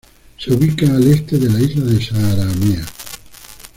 Se ubica al este de la isla de Saaremaa.